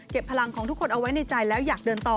พลังของทุกคนเอาไว้ในใจแล้วอยากเดินต่อ